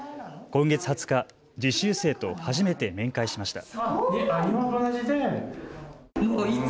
今月２０日、実習生と初めて面会しました。